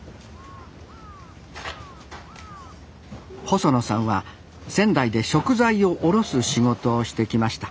細野さんは仙台で食材を卸す仕事をしてきました